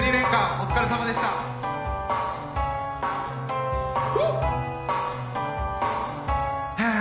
お疲れさまでした。フゥ！